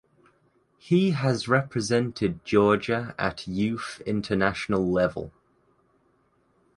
He has represented Georgia at youth international level.